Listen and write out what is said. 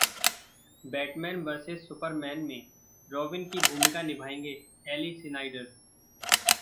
'Batman versus Superman' में Robin की भूमिका निभाएंगे एली सिनाइडर?